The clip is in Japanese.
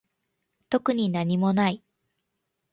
特になにもない